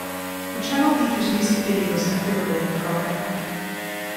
The channel features music videos and other related programming.